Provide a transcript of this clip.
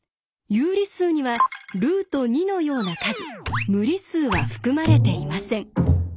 有理数にはルート２のような数無理数は含まれていません。